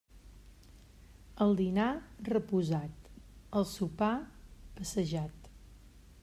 El dinar, reposat; el sopar, passejat.